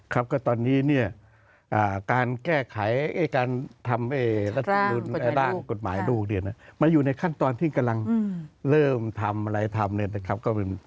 ครับก็ตอนนี้เนี่ยการทำกฎหมายลูกมันอยู่ในขั้นตอนที่กำลังเริ่มทำอะไรทำเลยนะครับ